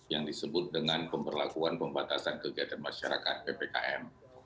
yang disebut dengan pemberlakuan pembatasan kegiatan masyarakat ppkm